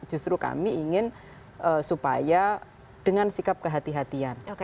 justru kami ingin supaya dengan sikap kehatian